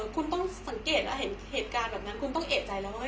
คุณต้องสังเกตว่าเห็นเหตุการณ์แบบนั้นคุณต้องเอกใจแล้วว่า